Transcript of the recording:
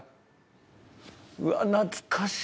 うわっ懐かしい！